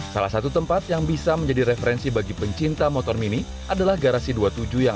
salah satu tempat yang bisa menjadi referensi bagi pencinta motor mini adalah garasi dua puluh tujuh yang